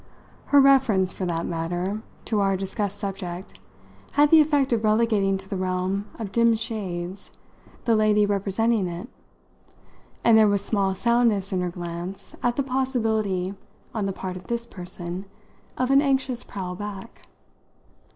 Her reference, for that matter, to our discussed subject had the effect of relegating to the realm of dim shades the lady representing it, and there was small soundness in her glance at the possibility on the part of this person of an anxious prowl back.